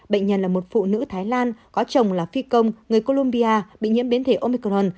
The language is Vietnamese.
bệnh nhân là một phụ nữ thái lan có chồng là phi công người colombia bị nhiễm biến thể omicron